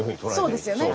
そうですよね。